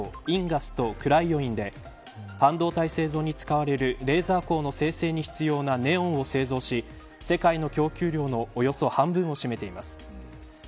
インガスとクライオインで半導体製造に使われるレーザー光の生成に必要なネオンを製造し世界の供給量のおよそ半分を占めています。